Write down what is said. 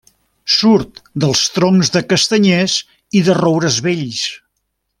Surt dels troncs de castanyers i de roures vells.